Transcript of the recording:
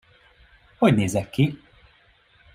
Hogy nézek ki?